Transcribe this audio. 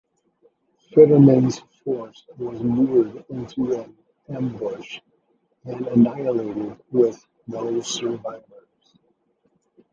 Fetterman's force was lured into an ambush and annihilated with no survivors.